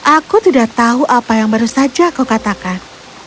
aku tidak tahu apa yang baru saja kau katakan